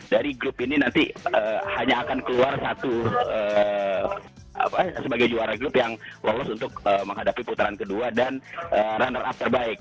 dari grup ini nanti hanya akan keluar satu sebagai juara grup yang lolos untuk menghadapi putaran kedua dan runner up terbaik